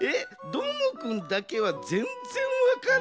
どーもくんだけはぜんぜんわからん。